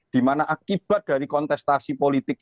di mana akibat dari kontestasi politik